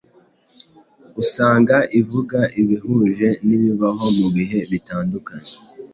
usanga ivuga ibihuje n’ibibaho mu bihe bitandukanye